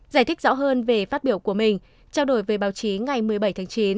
giải thích rõ hơn về phát biểu của mình trao đổi về báo chí ngày một mươi bảy tháng chín